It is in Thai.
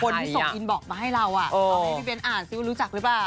นี่ที่ส่งอีนบอบมาให้เราอะเขาให้พี่เบนอ่านซิรู้จักหรือเปล่า